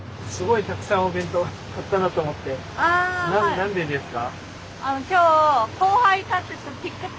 何でですか？